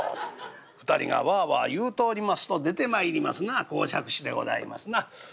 ２人がワアワア言うておりますと出て参りますのが講釈師でございますな。